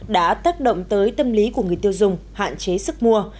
đã tác động tới tâm lý của người tiêu dùng hạn chế sức mua